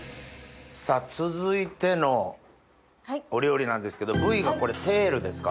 さぁ続いてのお料理なんですけど部位がこれテールですか？